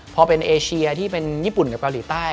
พอเป็นเอเชียที่เป็นญี่ปุ่นกับเกาหลีใต้